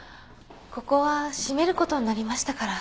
ここは閉めることになりましたから。